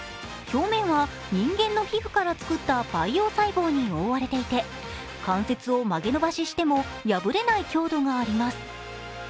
表面は人間の皮膚から作った培養細胞に覆われていて関節を曲げ伸ばししても破れない強度があります。